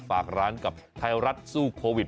ฝากร้านกับไทยรัฐสู้โควิด